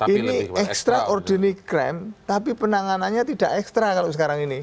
ini extraordinary crime tapi penanganannya tidak ekstra kalau sekarang ini